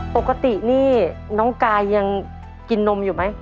ปกตินี่น้องกายยังกินนมอยู่ไหม